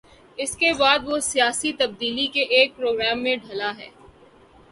اس کے بعد وہ سیاسی تبدیلی کے ایک پروگرام میں ڈھلا ہے۔